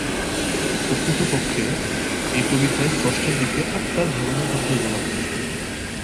প্রকৃতপক্ষে এ কবিতায় স্রষ্টার দিকে আত্মার ভ্রমণের কথাই বলা হয়েছে।